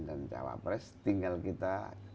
dan jawab pres tinggal kita